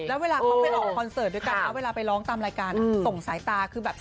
แล้วเวลาเขาไปออกคอนเสิร์ตด้วยกันนะเวลาไปร้องตามรายการส่งสายตาคือแบบ